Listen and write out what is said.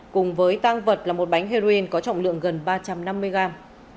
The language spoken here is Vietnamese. cùng với tang vật là một bánh heroin có trọng lượng gần ba trăm năm mươi gram